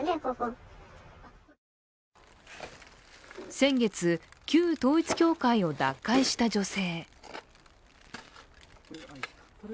先月、旧統一教会を脱会した女性。